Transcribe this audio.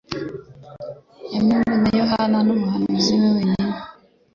Yamenywe na Yohana umuhanuzi wenyine.